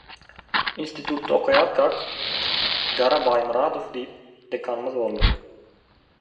Institutda okaýarkak, Gara Baýmyradow diýip dekanymyz boldy.